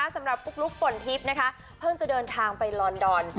สำหรับกุ๊กปนทริปเพิ่งจะเดินทางไปลอนดอน